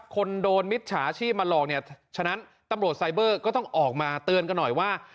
คนโดนมิจฉาชีพมาหลอกเนี่ยฉะนั้นตำรวจไซเบอร์ก็ต้องออกมาเตือนกันหน่อยว่า